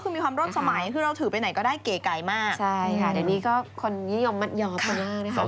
มีความรวดสมัยที่เราถือไปไหนก็ได้เก๋มากใช่ค่ะแต่นี่ก็คนยินิยมมันยอมมากนะครับ